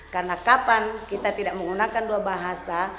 karena kapan kita tidak menggunakan dua bahasa